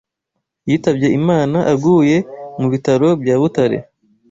yitabye Imana aguye mu Bitaro bya Butare